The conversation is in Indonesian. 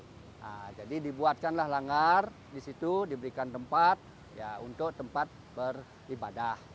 nah jadi dibuatkanlah langgar di situ diberikan tempat untuk tempat beribadah